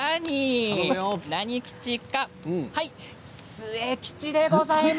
末吉でございます。